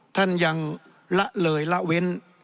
ท่านยังละเลยละเว้น